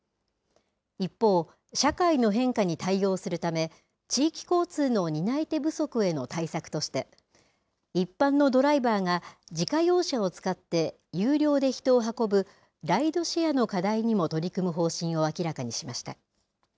一方、社会の変化に対応するため、地域交通の担い手不足への対策として、一般のドライバーが自家用車を使って有料で人を運ぶライドシェアの課題にも取り組む方針を明らかにしました。